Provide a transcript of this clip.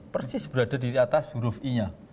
persis berada di atas huruf i nya